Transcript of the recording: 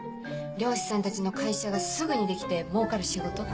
漁師さんたちの会社がすぐにできて儲かる仕事。